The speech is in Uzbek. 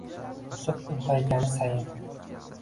o‘sib ulg‘aygani sayin